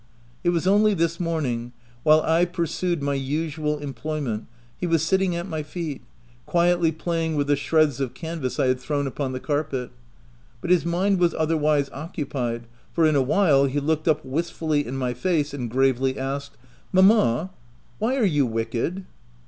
It was only this morning — while I pursued my usual employment, he was sitting at my feet, quietly playing with the shreds of canvass I had thrown upon the car pet — but his mind was otherwise occupied, for, in a while, he looked up wistfully in my face, and gravely asked —" Mamma, why are you wicked